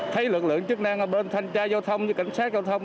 thấy lượng lượng chức năng ở bên thanh tra giao thông như cảnh sát giao thông